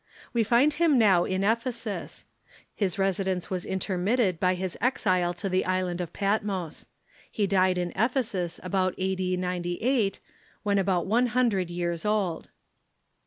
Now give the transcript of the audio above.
We And him noA\' in Ephesus. His residence Avas intermitted by his exile to the island of Patmos. He died in Ephesus about a.d. 98, Avhen about one hundred years old.